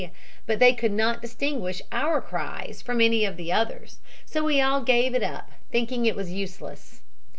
But they could not distinguish our cries from any of the others, so we all gave it up, thinking it useless.